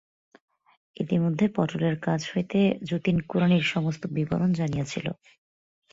ইতিমধ্যে পটলের কাছ হইতে যতীন কুড়ানির সমস্ত বিবরণ জানিয়াছিল।